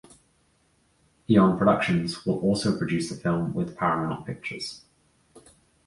Eon Productions will also produce the film with Paramount Pictures.